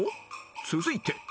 ［続いて］